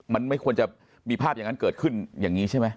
มันไม่ควรจะมีภาพอย่างนั้นเกิดขึ้นอย่างนี้ใช่ไหม